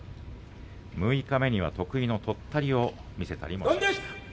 六日目には得意のとったりを見せたりもしました。